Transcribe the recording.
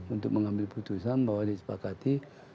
untuk mengambil putusan bahwa disepakati